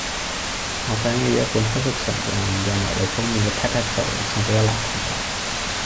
我想要一本黑色唇印，印落你封面個 pat pat 度，送俾我男朋友